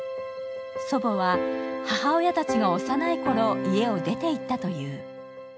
祖母は母親たちが幼いころ、家を出て行ったという。